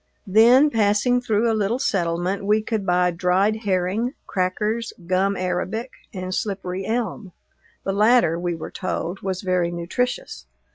Then passing through a little settlement we could buy dried herring, crackers, gum arabic, and slippery elm; the latter, we were told, was very nutritious.